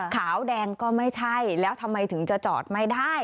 ขาวแดงก็ไม่ใช่แล้วทำไมถึงจะจอดไม่ได้